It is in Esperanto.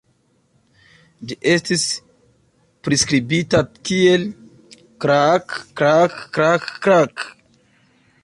Ĝi estis priskribita kiel "kraak-kraak-kraak-kraak".